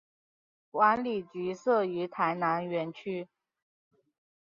管理局设于台南园区。